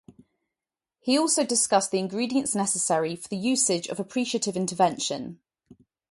He also discussed the ingredients necessary for the usage of appreciative intervention.